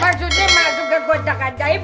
maksudnya masuk ke kota kadaib